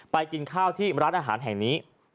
กินข้าวที่ร้านอาหารแห่งนี้